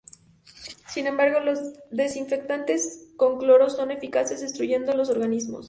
Sin embargo, los desinfectantes con cloro son eficaces destruyendo los organismos.